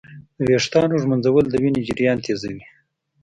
د ویښتانو ږمنځول د وینې جریان تېزوي.